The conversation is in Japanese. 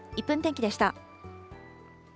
１分天気でした。